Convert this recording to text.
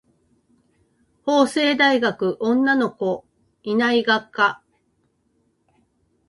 法政大学女の子いない学科